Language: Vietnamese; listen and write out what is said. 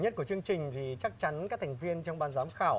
thì chắc chắn các thành viên trong ban giám khảo